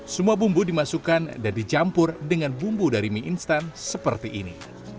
semua bumbu dimasukkan dan dicampur dengan bumbu dari mie instan seperti ini